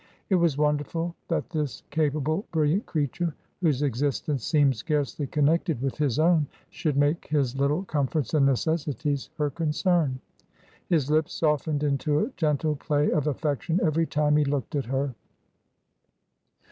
It was wonderful that this capable, brilliant crea ture, whose existence seemed scarcely connected with his own, should make his little comforts and necessities her concern. His lips softened into a gentle play of affection every time he looked at her.